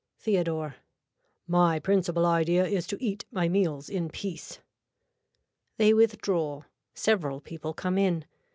(Theodore.) My principle idea is to eat my meals in peace. They withdraw. Several people come in.